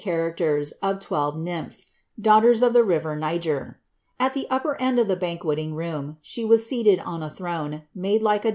i raciers of twelve nymphs, daughters of the river Xiger. At the uppe: end of the banque ting room, she was sealed in a throne, made like >' Ln.